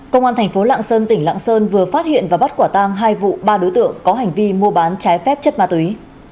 công an thành phố lạng sơn tỉnh lạng sơn vừa phát hiện và bắt quả tang hai vụ ba đối tượng có hành vi mua bán trái phép chất ma túy